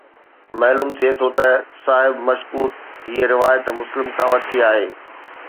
معلوم ٿئي ٿو ته صاحب مشڪوت هيءَ روايت مسلم کان ورتي آهي